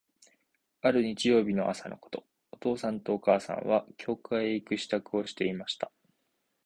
ある日曜日の朝のこと、お父さんとお母さんは、教会へ行く支度をしていました。